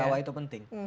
ketawa itu penting